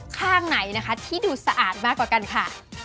ข้างไหนนะคะที่ดูสะอาดมากกว่ากันค่ะ